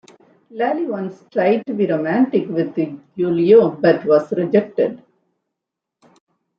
Lally once tried to be romantic with Giulio, but was rejected.